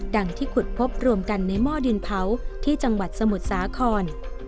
ที่ขุดพบรวมกันในหม้อดินเผาที่จังหวัดสมุทรสาคร